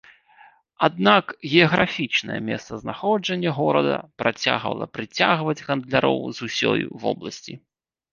Аднак геаграфічнае месцазнаходжанне горада працягвала прыцягваць гандляроў з усёй вобласці.